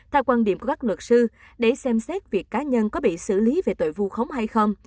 theo quan điểm của các luật sư để xem xét việc cá nhân có bị xử lý về tội vu khống hay không